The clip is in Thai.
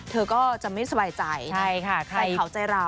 เธอก็จะไม่สบายใจใจเขาใจเรา